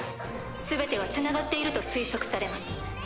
全ては繋がっていると推測されます。